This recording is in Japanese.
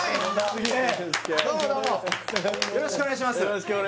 よろしくお願いします